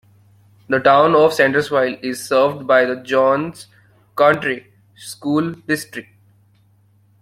The Town of Sandersville is served by the Jones County School District.